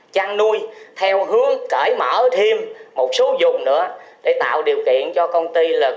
trăn nuôi theo hướng cởi mở thêm một số dùng nữa để tạo điều kiện cho công ty